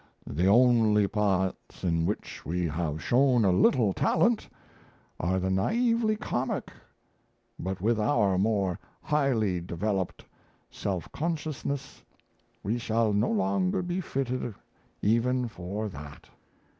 The only parts in which we have shown a little talent, are the naively comic; but with our more highly developed self consciousness we shall no longer be fitted even for that."